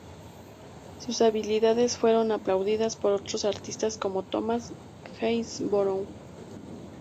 Sus habilidades fueron aplaudidas por otros artistas como Thomas Gainsborough.